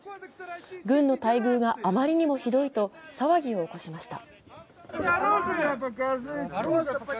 軍の待遇があまりにもひどいと騒ぎを起こしました。